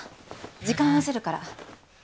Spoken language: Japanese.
時間合わせるから。